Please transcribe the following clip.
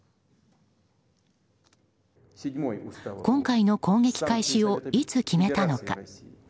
今回の攻撃開始をいつ決めたのか。